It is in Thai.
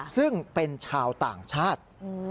ซึ่งเป็นชาวต่างชาติ